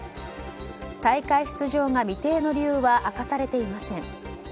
大会出場の未定の理由は明かされていません。